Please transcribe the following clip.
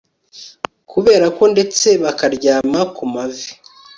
Kuberako ndetse bakaryama ku mavi